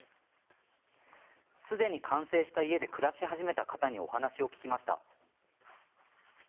すでに完成した家で暮らし始めた方にお話を聞きました。